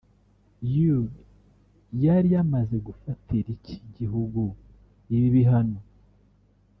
U yari yamaze gufatira iki gihugu ibi bihano